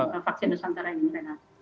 dalam vaksin nusantara ini